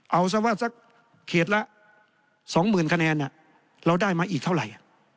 เอาสามารถสักเขตละสองหมื่นคะแนนเราได้มาอีกเท่าไหร่